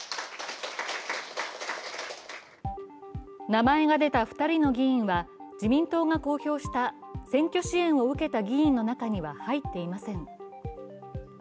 名前が出た２人の議員は自民党が公表した選挙支援を受けた議員の中には入っていません。